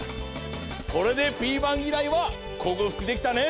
これでピーマン嫌いは克服できたね？